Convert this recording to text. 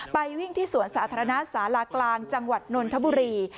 ไปวิ่งที่สวนสาธารณะสาลากลางจังหวัดนนทบุรี